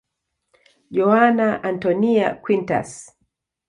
Joana Antónia Quintas.